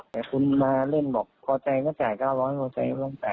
แต่คุณมาเล่นบอกพอใจก็จ่ายเก้าร้อยพอใจไม่ต้องจ่าย